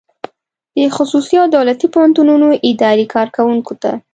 د خصوصي او دولتي پوهنتونونو اداري کارکوونکو ته